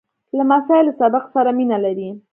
لمسی له سبق سره مینه لري.